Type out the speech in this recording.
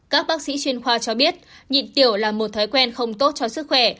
các bác sĩ chuyên khoa cho biết nhịn tiểu là một thái quen không tốt cho sức khỏe